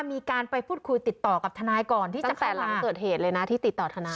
มีการไปพูดคุยติดต่อกับทนายก่อนที่ตั้งแต่หลังเกิดเหตุเลยนะที่ติดต่อทนาย